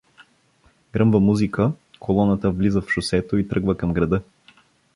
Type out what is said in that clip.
Гръмва музика, колоната влиза в шосето и тръгва към града.